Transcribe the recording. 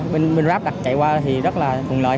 bên ráp đặt chạy qua thì rất là thuận lợi